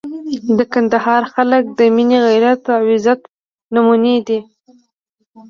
د کندهار خلک د مینې، غیرت او عزت نمونې دي.